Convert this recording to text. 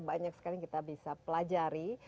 banyak sekali yang kita bisa pelajari